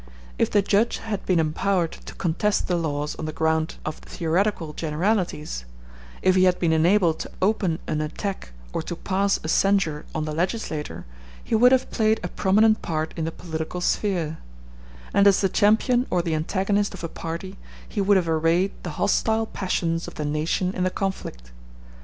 If the judge had been empowered to contest the laws on the ground of theoretical generalities, if he had been enabled to open an attack or to pass a censure on the legislator, he would have played a prominent part in the political sphere; and as the champion or the antagonist of a party, he would have arrayed the hostile passions of the nation in the conflict.